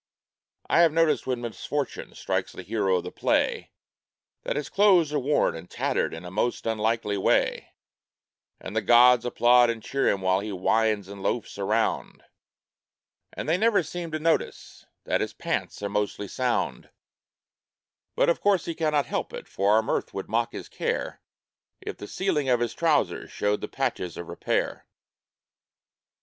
I have noticed when misfortune strikes the hero of the play That his clothes are worn and tattered in a most unlikely way ; And the gods applaud and cheer him while he whines and loafs around, But they never seem to notice that his pants are mostly sound ; Yet, of course, he cannot help it, for our mirth would mock his care If the ceiling of his trousers showed the patches of repair.